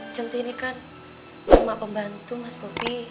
centi ini kan rumah pembantu mas bobi